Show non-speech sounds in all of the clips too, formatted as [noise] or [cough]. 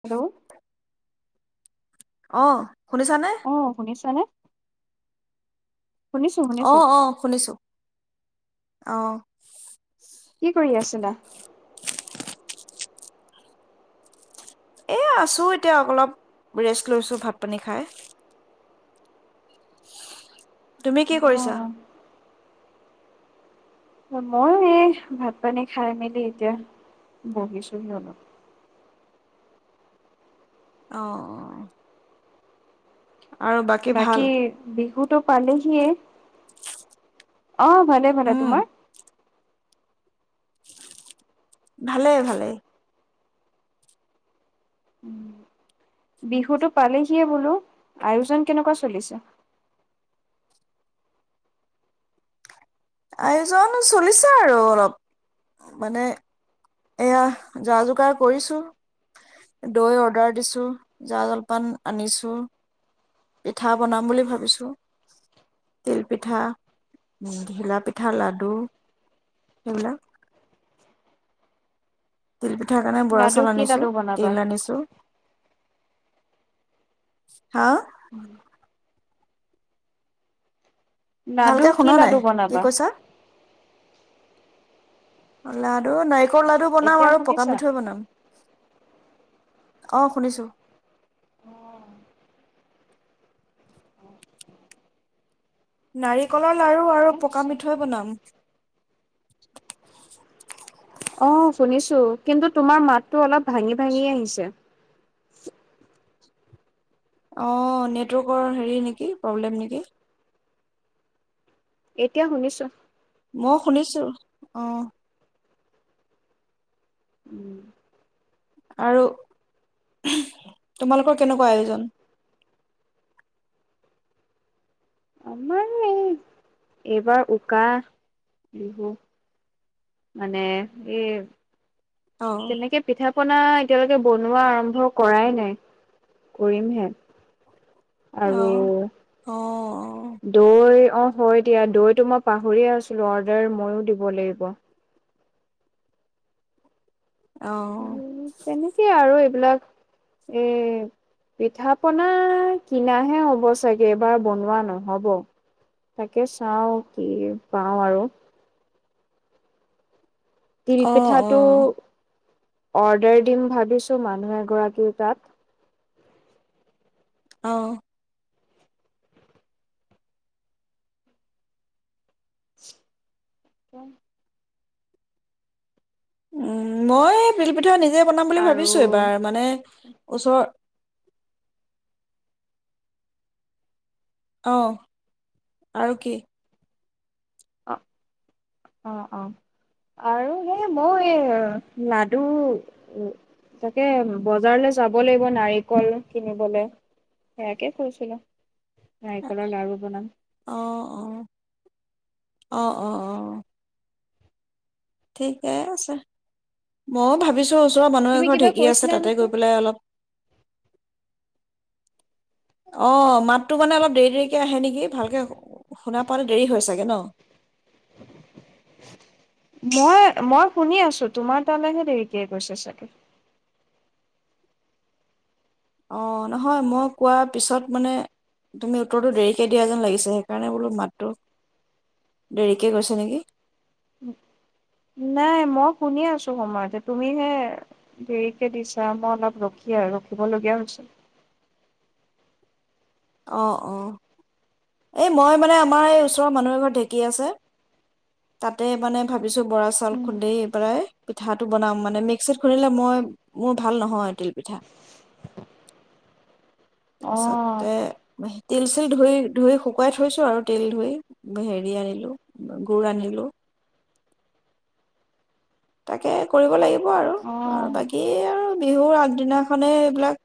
Hello, অ', শুনিছানে? অ শুনিছানে শুনিছো অ শুনিছো অ শুনিছো অহ কি কৰি আছিলা এ আছো এতিয়া অলপ ৰেষ্ট লৈছোঁ ভাত পানী খাই তুমি কি কৰিছা অ ময়ো এই ভাত পানী খাই মেলি এতিয়া বহিছো হি অলপ অ ', অ', আৰু বাকী ভাল? বিহু টো পালেহি এ অ ভালে ভালে তোমাৰ ভালে ভালেই বিহুটো পালেহিয়ে বোলো আয়োজন কেনেকোৱা চলিছে আয়োজনো চলিছে আৰু অলপ মানে এয়া যা যোগাৰ কৰিছো দৈ অৰ্ডাৰ দিছো জা জলপান আনিছো পিঠা বনাম বুলি ভাৱিছো তিল পিঠা ঘিলা পিঠা লাডু সেইবিলাক তিল পিঠ পিঠা কাৰণে বৰা লাডু চাউল কি আনিছো লাডু বনাবা তিল আনিছো হা লাডু ভালকে কি শুনা নাই, লাডু কি বনাবা কৈছা? লাডু নাই নাৰিকল লাডু বনাম এতিয়া আৰু পকা শুনিছা মিঠৈ বনাম অ শুনিছোঁ আহ [inaudible] নাৰিকলৰ লাৰু আৰু পকা মিঠৈ বনাম। অ', শুনিছো। কিন্তু তোমাৰ মাতটো অলপ ভাঙি, ভাঙি আহিছে। অ', নেটৱৰ্কৰ হেৰি নেকি, প্ৰব্লেম নেকি? এতিয়া শুনিছোঁ। মউ শুনিছোঁ, অ'। আৰু তোমালোকৰ কেনেকুৱা আয়োজন? আমাৰ এই এইবাৰ উকা, বিহু। মানে, এই অ তেনেকে পিঠা পনা এতিয়ালৈকে বনোৱা আৰম্ভ কৰাই নাই, কৰিমহে। আৰু অ অ দৈ অ', হয় দিয়া দৈটো মই পাহৰিয়ে আছিলো, অৰ্ডাৰ ময়ো দিব লাগিব। অ ও, তেনেকে আৰু এইবিলাক। এ, পিঠা-পনা কিনাহে হ'ব চাগে, এইবাৰ বনোৱা নহ'ব। তাকে চাওঁ কি পাওঁ আৰু। অ তিলপিঠাটো অৰ্ডাৰ দিম ভাবিছোঁ, মানুহ এগৰাকীৰ তাত। অ। [inaudible] উম, মই তিলপিঠা নিজ নি বনাম বুলি আৰু ভাবিছোঁ। এইবাৰ মানে ওচৰত অহ আৰু কি? অ, অ, অ আৰু হেই ময়ো এ লাডু, ও, তাকে বজাৰলৈ যাব লাগিব, নাৰিকল কিনিবলে, সেয়াকে কৈছিলো। অ নাৰিকলৰ লাৰু বনাম। অ, অ, অ, অ'। ঠিকে আছে, ময়ো ভাবিছ ওচ-ওচৰৰ মানুহ তুমি এঘৰত কিবা ঢেঁকী আছে, কৈছিলা তাতে নহয়? গৈ পেলায় অলপ অ', মাতটো মানে অলপ দেৰি, দেৰিকে আহে নেকি, ভালকে শুনা পাওঁতে দেৰি হয় চাগে, ন? মই, মই শুনি আছোঁ, তোমাৰ তালৈহে দেৰিকে গৈছে চাগে। অ', নহয় মই কোৱা পিছত মানে, তুমি উত্তৰটো দেৰিকৈ দিয়া যেন লাগিছে, সেইকাৰণে বোলো মাতটো দেৰিকৈ গৈছে নেকি? ন-নাই, মই শুনি আছোঁ সময়তে তুমিহে দেৰিকে দিছা। মই অলপ ৰখি আৰু ৰখিবলগীয়া হৈছে। অ' অহ। এই মই মানে আমাৰ এই ওচৰৰ মানুহ এঘৰত ঢেঁকী আছে, তাতে মানে ভাবিছোঁ, বৰা চাউল খুন্দি পেলাই পিঠাটো বনাম, মানে মিক্সিত খুন্দিলে মই, মোৰ ভাল নহয় তিল পিঠা। তাৰপিছতে অ' তিল চিল ধুই ধুই শুকুৱাই থৈছোঁ আৰু তিল ধুই। হেৰি আনিলোঁ, গুৰ আনিলোঁ। তাকে কৰিব লাগিব আৰু। অ'। আৰু বাকী আৰু বিহুৰ আগদিনাখনে এইবিলাক,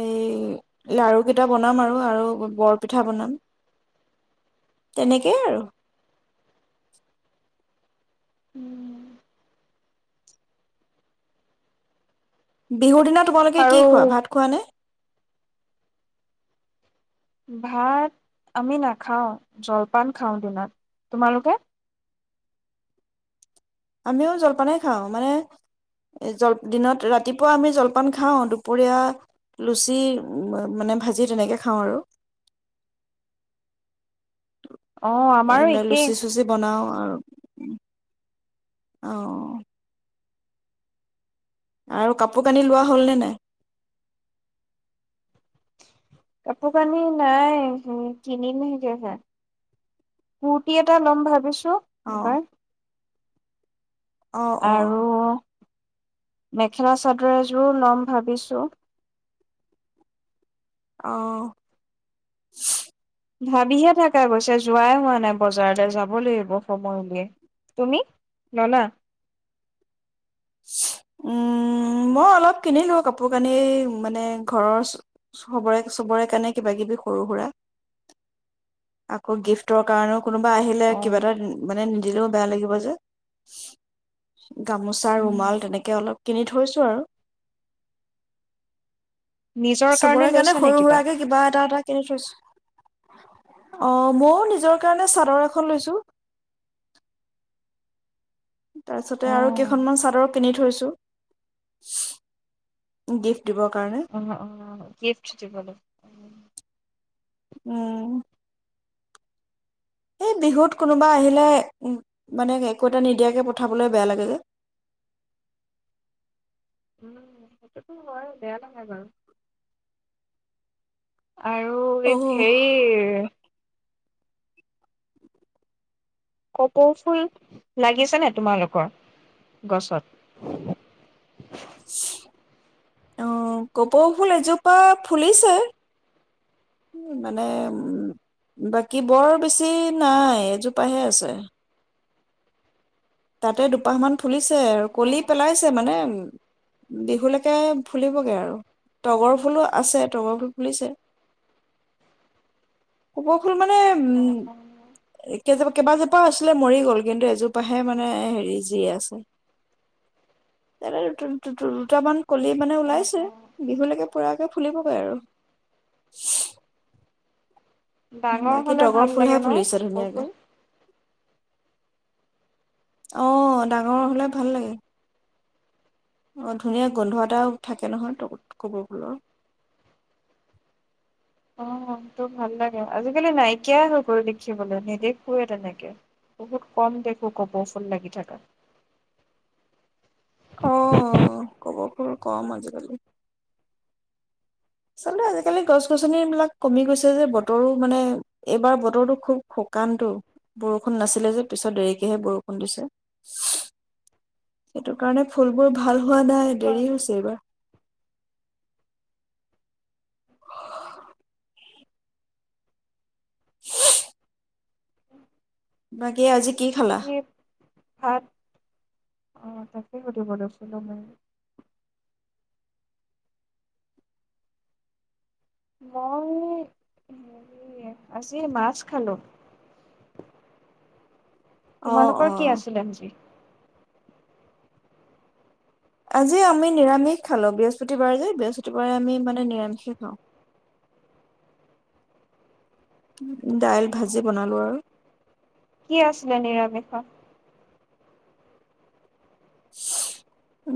এই লাৰুকেইটা বনাম আৰু, আৰু বৰপিঠা বনাম। তেনেকেই আৰু। বিহুৰ দিনত তোমালোকে আৰু কি খোৱা, ভাত খোৱা নে? ভাত আমি নাখাওঁ, জলপান খাওঁ দিনত। তোমালোকে? আমিও জলপানেই খাওঁ। মানে জল, দিনত, ৰাতিপুৱা আমি জলপান খাওঁ, দুপৰীয়া লুচি মানে ভাজি তেনেকে খাওঁ আৰু। অ', আমাৰো এইনে একেই লুচি চুচি বনাও আৰু অঁ আৰু কাপোৰ কানি লোৱা হ'লনে নাই কাপোৰ কানি নাই হে কিনিম হে কুৰ্তি এটা ল'ম ভাবিছো হেল্ল' অ' হা অ' আৰু অ' মেখেলা চাদৰ এযোৰ ল'ম ভাবিছোঁ অহ ভাবিহে থকা গৈছে যোৱাই হোৱা নাই বজাৰলে যাব লাগিব সময় উলিয়াই। তুমি ললা উম মই অলপ কিনিলো কাপোৰ কানি মানে ঘৰৰ চবৰে চবৰে কাৰণে কিবা কিবি সৰু সুৰা আকৌ গিফ্টৰ কাৰণেও কোনোবা আহিলে কিবা অ', এটা মানে দিলেও বেয়া লাগিব যে গামোচা উম, ৰুমাল তেনেকে অলপ কিনি থৈছো আৰু নিজৰ চবৰে কাৰণে লৈছা নে সৰু সুৰাকে কিবা এটা এটা কিনি থৈছো অ মইয়ো নিজৰ কাৰণে চাদৰ এখন লৈছোঁ তাৰপিছতে আৰু অ', কেইখনমান চাদৰ কিনি থৈছো। গিফট উ উ। গিফ্ট দিবলৈ উম, উম এই বিহুত কোনোবা আহিলে মানে একো এটা নিদিয়াকে পঠাবলৈ বেয়া লাগে যে উম সেইটোতো হয় বেয়া নহয় বাৰু আৰু এক অ' হেৰি কপৌ ফুল লাগিছে নে তোমালোকৰ গছত অ কপৌফুল এজোপা ফুলিছে মানে উ বাকী বৰ বেছি নাই এজোপাহে আছে তাতে দুপাহ মান ফুলিছে আৰু কলি অ', পেলাইছে মানে বিহুলৈকে ফুলিবগে আৰু তগৰ ফুলো আছে তগৰ ফুল ফুলিছে। কপৌ ফুল মানে অ', উম অ', কেইবা কেইবাজোপা আছিলে মৰি গল কিন্তু এজোপা হে মানে হেৰি যি আছে। দু দুটামান কলি মানে অ', ওলাইছে অ', বিহুলৈকে পৰাগে ফুলিবগৈ আৰু ডাঙৰ বাকী হ'লে তগৰ ভাল ফুলহে লাগে ন ফুলিছে কপৌ ধুনীয়াকে ফুল? অ ডাঙৰ হলে ভাল লাগে অ ধুনীয়া গোন্ধ এটাও থাকে নহয় তগৰ কপৌফুলৰ অ তো ভাল লাগে আজিকালি নাইকিয়াই হৈ গ'ল দেখিবলৈ নেদেখোৱে তেনেকে বহুত কম দেখো কপৌ ফুল লাগি থাকা কপৌফুল কম আজিকালি চলে আজিকালি গছ-গছনি বিলাক কমি গৈছে যে বতৰো মানে এইবাৰ বতৰটো খুব শুকানটো বৰষুণ নাছিলে যে পিছত দেৰিকেহে বৰষুণ দিছে সেইটো কাৰণে ফুলবোৰ ভাল হোৱা সেইটো নাই দেৰি কাৰণে হৈছে এইবাৰ [unintelligible] বাকী আজি কি খালা বাকী ভাত অ' তাকে সুধিব লৈছিলো মই মই হেৰি আজি মাছ খালো অ তোমালোকৰ কি অ আছিলে আজি? আজি আমি নিৰামিষ খালো বৃহস্পতিবাৰ যে, বৃহস্পতিবাৰে আমি মানে নিৰামিষে খাওঁ। উ উ দাইল ভাজি বনালো আৰু কি আছিলে নিৰামিষত?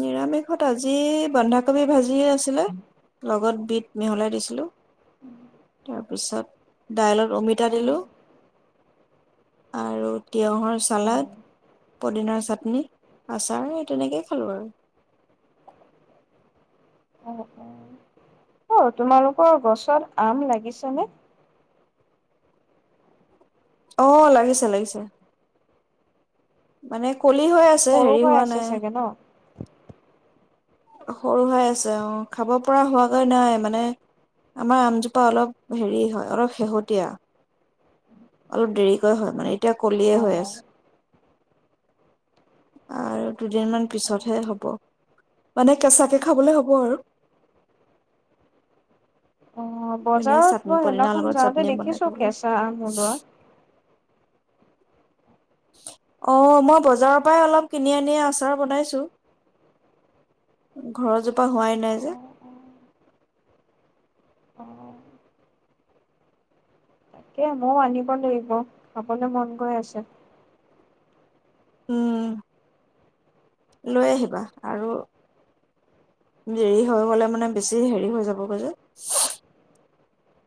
নিৰামিষত আজি বন্ধাকবি ভাজি এ আছিলে লগত বিট মিহলাই দিছিলোঁ তাৰপিছত দাইলত অমিতা দিলো অ', আৰু তিঁয়হৰ ছালাড, অ', পদিনা চাটনি আচাৰ এই তেনেকেই খালোঁ আৰু অ', অ'। অ' তোমালোকৰ গছত আম লাগিছে নে? অ' লাগিছে লাগিছে। মানে কলি হৈ আছে সৰু হেৰি হৈ হোৱা আছে নাই চাগে ন? সৰুহৈ আছে অ' খাব পৰা হোৱাগৈ নাই মানে আমাৰ আমজোপা অলপ হেৰি হয় অলপ শেহতীয়া। অলপ দেৰিকৈ হয় মানে। এতিয়া কলিয়ে অ। হৈ আছে। আৰু দুদিনমান উম পিছতহে উম। হ'ব মানে কেঁচাকে খাবলে হ'ব আৰু অ মানে বজাৰত চাটনি মই পদিনাৰ সেইদিনাখন লগত যাওঁতে চাটনি বনাই দেখিছো খাবলৈ কেঁচা আম ওলোৱা। অ' মই বজাৰৰ পৰাই অলপ কিনি আনি আচাৰ বনাইছো ঘৰৰ জোপা হোৱাই নাই যে। অ তাকে ময়ো আনিব লাগিব খাবলৈ মন গৈ আছে। উম লৈ আহিবা আৰু দেৰি হৈ গ'লে মানে বেছি হেৰি হৈ যাবগৈ যে।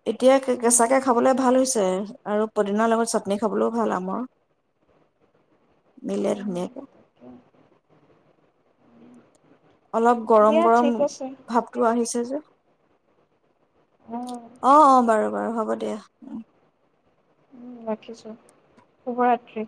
এতিয়া উম কেঁচাকে খাবলৈ তাকে ভাল হৈছে আৰু পদিনাৰ লগত চাটনি খাবলৈও ভাল আমৰ মিলে উম। ধুনীয়াকে তাকে অলপ দিয়া গৰম-গৰম ঠিক আছে ভাৱটো আহিছে যে অ অ' অ' বাৰু-বাৰু হ'ব দিয়া উহ। ৰাখিছোঁ শুভৰাত্ৰি।